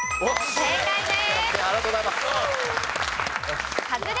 正解です。